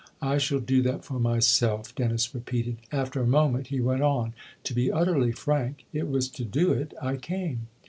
" I shall do that for myself," Dennis repeated. After a moment he went on :" To be utterly frank, it was to do it I came."